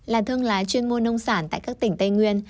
là thương lái chuyên mua nông sản tại các tỉnh tây nguyên